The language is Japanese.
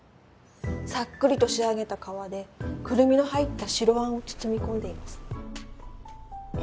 さっくりと仕上げた皮でクルミの入った白あんを包み込んでいます。